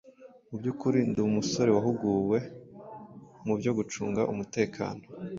Mu by’ukuri ndi umusore wahuguwe mu byo gucunga umutekano